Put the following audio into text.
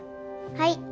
はい。